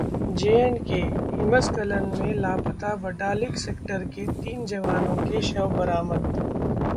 J-K: हिमस्खलन में लापता बटालिक सेक्टर के तीन जवानों के शव बरामद